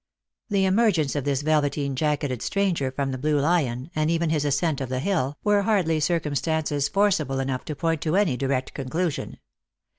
The emergence of this velveteen jacketed stranger from the Blue Lion, and even his ascent of the hill, were hardly cir cumstances forcible enough to point to any direct conclusion.